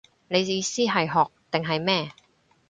你意思係學定係咩